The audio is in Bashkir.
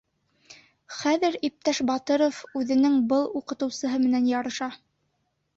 — Хәҙер иптәш Батыров үҙенең был уҡытыусыһы менән ярыша.